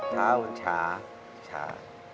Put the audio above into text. เช้ามันช้าช้า